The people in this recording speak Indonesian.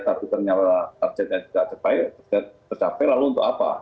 tapi ternyata targetnya tidak tercapai lalu untuk apa